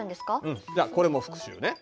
うんじゃあこれも復習ね。